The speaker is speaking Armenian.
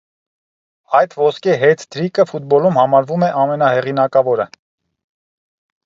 Այդ «ոսկե հեթ տրիկը» ֆուտբոլում համարվում է ամենահեղինակավորը։